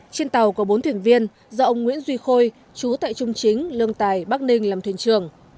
trên tàu có bốn thuyền viên do ông nguyễn duy khôi chú tại trung chính lương tài bắc ninh làm thuyền trưởng